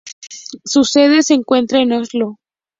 Su sede se encuentra en Oslo.